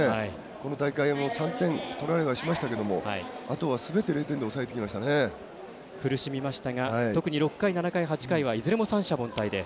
この大会も３点取られはしましたけどあとは苦しみましたが特に６回、７回、８回はいずれも三者凡退で。